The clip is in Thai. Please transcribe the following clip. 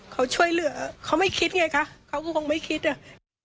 เขาช่วยเหลือเขาไม่คิดไงคะเขาก็คงไม่คิดอ่ะ